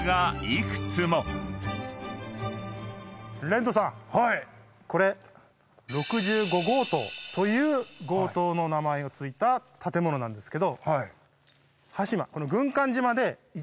レッドさんこれ６５号棟という号棟の名前の付いた建物なんですけど端島この。